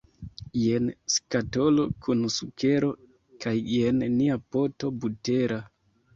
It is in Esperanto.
Jen skatolo kun sukero kaj jen nia poto butera.